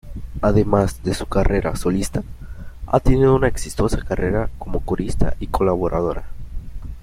Además de su carrera solista, ha tenido una exitosa carrera como corista y colaboradora.